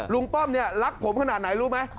ป้อมเนี่ยรักผมขนาดไหนรู้ไหม